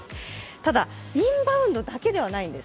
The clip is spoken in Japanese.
ただ、インバウンドだけではないんです。